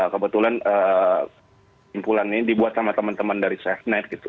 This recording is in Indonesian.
kebetulan simpulan ini dibuat sama teman teman dari safenet gitu